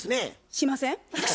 しません。